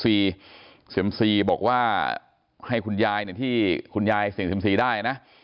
เซียมซีบอกว่าให้คุณยายที่คุณยายเสี่ยงเซียมซีได้นะ